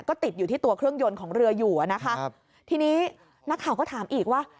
ก็ติดอยู่ที่ตัวเครื่องยนต์ของเรืออยู่อ่ะนะคะครับทีนี้นักข่าวก็ถามอีกว่า